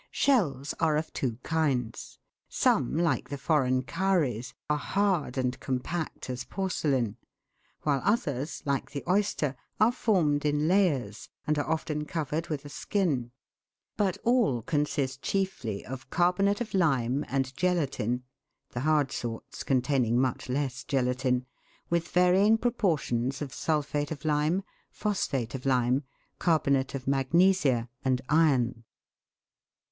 Shells are of two kinds ; some, like the foreign cowries, are hard and compact as porcelain, while others, like the oyster, are formed in layers, and are often covered with a skin ; but all consist chiefly of carbonate of lime and gelatine (the hard sorts containing much less gelatine) with varying proportions of sulphate of lime, phosphate of lime, carbonate of magnesia, and iron.